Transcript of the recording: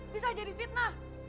bisa jadi fitnah